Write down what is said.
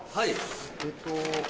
えっと。